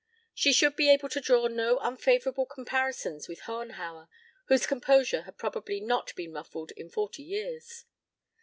She should be able to draw no unfavorable comparisons with Hohenhauer, whose composure had probably not been ruffled in forty years.